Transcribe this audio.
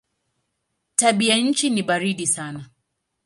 Tabianchi ni baridi sana.